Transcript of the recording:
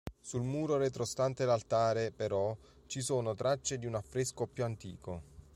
Sul muro retrostante l'altare, però, ci sono tracce di un affresco più antico.